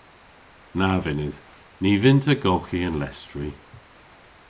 Na vynnydh. Ny vynn'ta golghi an lestri.